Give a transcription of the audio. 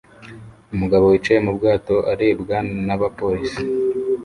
Umugabo wicaye mu bwato arebwa n'abapolisi